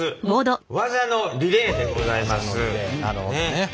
技のリレーでございます。